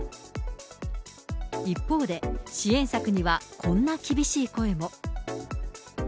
一方で、支援策にはこんな厳しい声も。